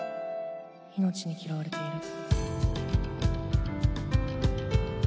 「命に嫌われている。」。